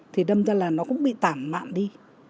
thì đâm ra là nó cũng bị tản mạn đi